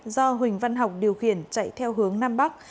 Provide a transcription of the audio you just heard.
do huỳnh văn học điều khiển chạy theo hướng nam bắc